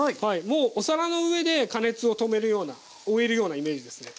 もうお皿の上で加熱を止めるような終えるようなイメージですね。